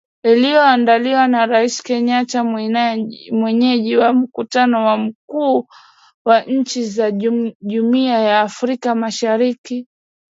iliyoandaliwa na Rais Kenyatta mwenyeji wa mkutano wa wakuu wa nchi za jumuia ya Afrika mashariki